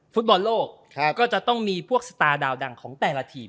ฟุตบอลโลกก็จะต้องมีพวกสตาร์ดาวดังของแต่ละทีม